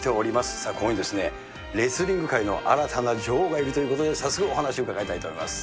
さあ、ここにですね、レスリング界の新たな女王がいるということで、早速、お話を伺いたいと思います。